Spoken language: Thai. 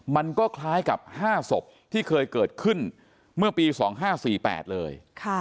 มันก็คล้ายกับ๕ศพที่เคยเกิดขึ้นเมื่อปี๒๕๔๘เลย